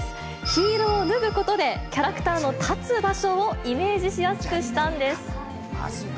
ヒールを脱ぐことで、キャラクターの立つ場所をイメージしやすくしたんです。